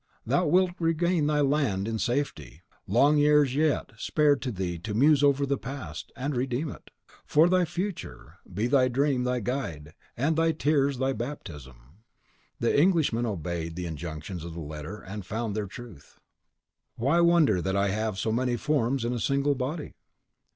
Thou wilt regain thy land in safety, long years yet spared to thee to muse over the past, and to redeem it. For thy future, be thy dream thy guide, and thy tears thy baptism." The Englishman obeyed the injunctions of the letter, and found their truth. CHAPTER 7.X. Quid mirare meas tot in uno corpore formas? Propert. (Why wonder that I have so many forms in a single body?)